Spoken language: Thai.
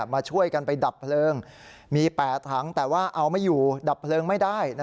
มาช่วยกันไปดับเพลิงมี๘ถังแต่ว่าเอาไม่อยู่ดับเพลิงไม่ได้